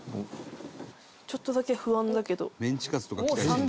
ちょっとだけ不安だけど。